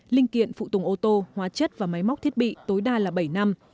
linh kiện phụ tùng ô tô hóa chất và máy móc thiết bị tối đa là bảy năm